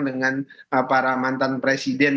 dengan para mantan presiden